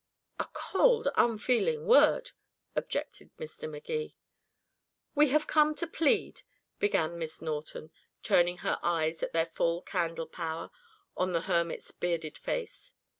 "A cold unfeeling word," objected Mr. Magee. "We have come to plead" began Miss Norton, turning her eyes at their full candle power on the hermit's bearded face.